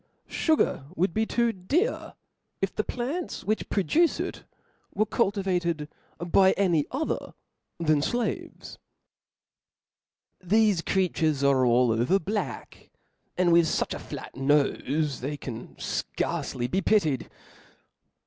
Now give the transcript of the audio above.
Sugar would be too dear, if the plants which produce it were cultivated by any other than flaves. Thefe creatures are all over black, and with fuch a flat nofe, that they can fcarc^ly be pitied.